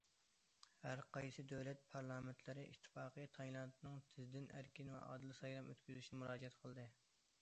ھەرقايسى دۆلەت پارلامېنتلىرى ئىتتىپاقى تايلاندنىڭ تېزدىن ئەركىن ۋە ئادىل سايلام ئۆتكۈزۈشىنى مۇراجىئەت قىلدى.